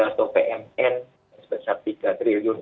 atau pmn sebesar tiga triliun